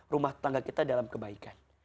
rumah tangga kita dalam kebaikan